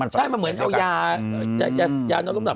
ใช่มันเหมือนเอายานอนน้ำหนัก